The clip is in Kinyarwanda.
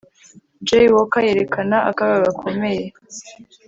Jaywalker yerekana akaga gakomeye